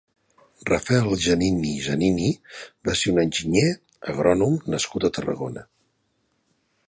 Rafel Janini Janini va ser un enginyer agrònom nascut a Tarragona.